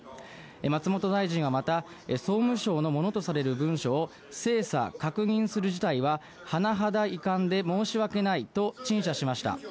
松本大臣はまた、総務省のものとされる文書を精査、確認する事態は甚だ遺憾で申し訳ないと陳謝しました。